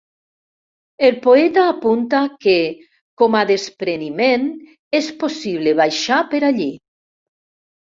El poeta apunta que com a despreniment, és possible baixar per allí.